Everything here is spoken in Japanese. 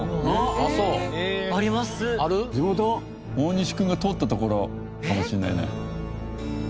大西君が通った所かもしれないね。